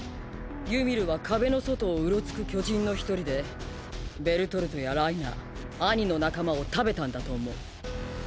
ユミルは壁の外をうろつく巨人の一人でベルトルトやライナーアニの仲間を食べたんだと思う。